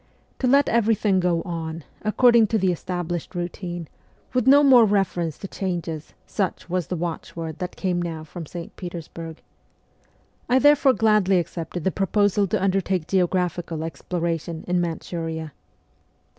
To let everything go on, according to the established routine, with no more reference to changes, such was the watchword that came now from St. Petersburg. I therefore gladly accepted the proposal to undertake geographical exploration in Manchuria.